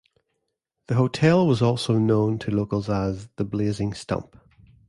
The hotel was also known to locals as 'The Blazing Stump'.